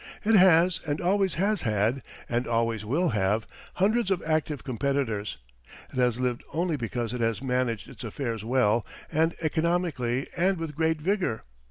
It has and always has had, and always will have, hundreds of active competitors; it has lived only because it has managed its affairs well and economically and with great vigour.